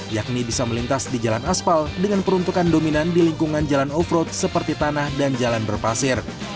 yakni bisa melintas di jalan aspal dengan peruntukan dominan di lingkungan jalan off road seperti tanah dan jalan berpasir